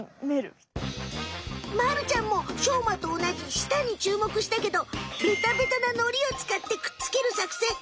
まるちゃんもしょうまとおなじ舌にちゅうもくしたけどベタベタなのりをつかってくっつけるさくせん。